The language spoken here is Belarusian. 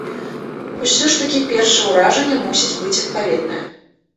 Усё ж такі першае ўражанне мусіць быць адпаведнае.